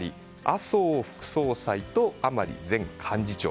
麻生副総裁と甘利前幹事長。